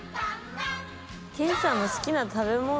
健さんの好きな食べ物？